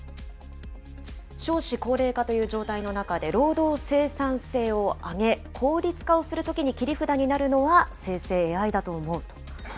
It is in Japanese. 少子高齢化という状態の中で、労働生産性を上げ、効率化をするときに切り札になるのは生成ＡＩだと思うと。